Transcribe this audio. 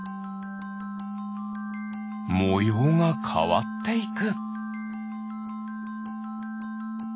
もようがかわっていく。